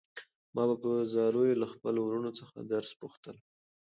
ما به په زاریو له خپلو وروڼو څخه درس پوښتلو.